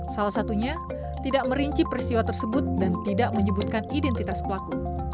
salah satunya tidak merinci peristiwa tersebut dan tidak menyebutkan identitas pelaku